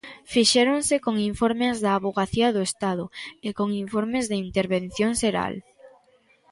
Fixéronse con informes da Avogacía do Estado, e con informes da Intervención Xeral.